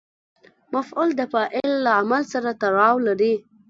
مفعول د فاعل له عمل سره تړاو لري.